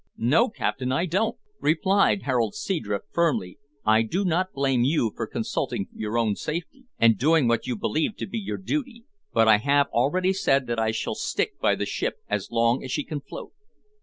"No, captain, I don't," replied Harold Seadrift firmly. "I do not blame you for consulting your own safety, and doing what you believe to be your duty, but I have already said that I shall stick by the ship as long as she can float."